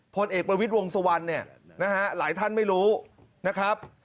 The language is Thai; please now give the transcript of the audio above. พลเอกบริวิตรวงสวรรค์เนี่ยหลายท่านไม่รู้นะครับ